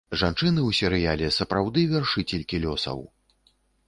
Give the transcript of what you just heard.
Жанчыны ў серыяле сапраўды вяршыцелькі лёсаў.